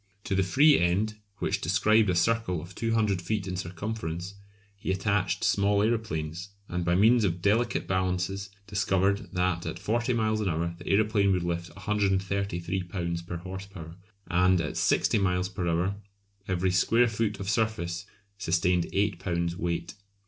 To the free end, which described a circle of 200 feet in circumference, he attached small aeroplanes, and by means of delicate balances discovered that at 40 miles an hour the aeroplane would lift 133 lbs. per horse power, and at 60 miles per hour every square foot of surface sustained 8 lbs. weight.